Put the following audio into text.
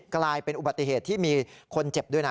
กลายเป็นอุบัติเหตุที่มีคนเจ็บด้วยนะ